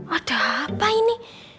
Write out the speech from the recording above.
ada apa ini